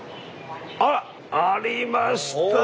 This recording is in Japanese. あら！ありました。